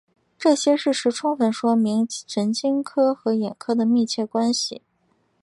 这些事实充分说明神经科和眼科的密切关系。